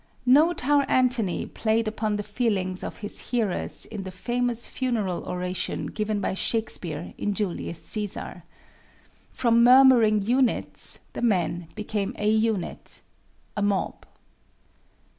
Note how Antony played upon the feelings of his hearers in the famous funeral oration given by Shakespeare in "Julius Cæsar." From murmuring units the men became a unit a mob.